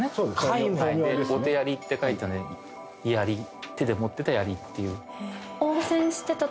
で「御手鑓」って書いてあるのは槍手で持ってた槍っていう。